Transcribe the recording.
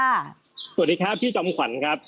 สวัสดีครับพี่จอมขวัญครับ